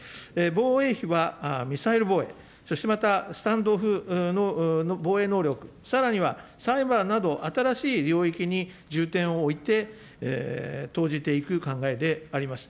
防衛費はミサイル防衛、そしてまた、スタンドオフの防衛能力、さらには、サイバーなど新しい領域に重点を置いて、投じていく考えであります。